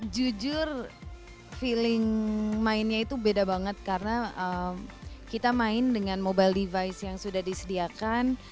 jujur feeling mainnya itu beda banget karena kita main dengan mobile device yang sudah disediakan